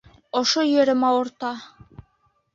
Ошо ерем ауырта.